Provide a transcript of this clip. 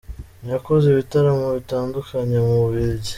Yakoze ibitaramo bitandukanye mu bubiligi